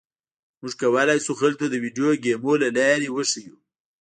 موږ کولی شو خلکو ته د ویډیو ګیمونو لارې وښیو